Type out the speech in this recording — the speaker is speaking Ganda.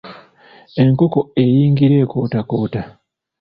Enkoko eyingira ekootakoota.